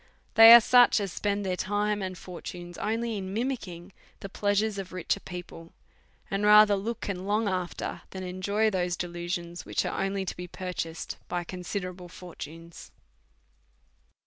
They are such as spend their time and fortunes merely in mimick ing the pleasures of richer people ; and rather look and long after than enjoy those delusions, which are only to be purchased by considerable fortunes.